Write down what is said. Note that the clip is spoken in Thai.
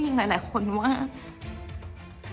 จนดิวไม่แน่ใจว่าความรักที่ดิวได้รักมันคืออะไร